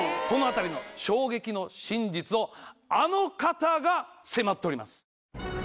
このあたりの衝撃の真実をあの方が迫っております！